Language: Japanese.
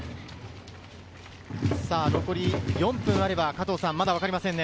残り４分あれば、まだ分かりませんね。